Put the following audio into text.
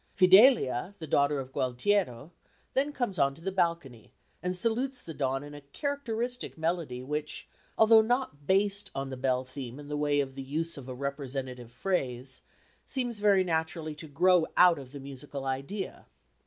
Fidelia, the daughter of Gualtiero, then comes on to the balcony and salutes the dawn in a characteristic melody which, although not based on the bell theme in the way of the use of a representative phrase, seems very naturally to grow out of the musical idea.